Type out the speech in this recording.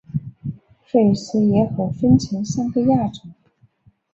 菲氏叶猴分成三个亚种